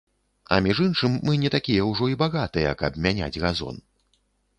А між іншым, мы не такія ўжо і багатыя, каб мяняць газон.